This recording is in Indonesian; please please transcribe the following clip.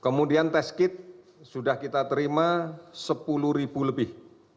kemudian tes kit sudah kita terima sepuluh ribu lebih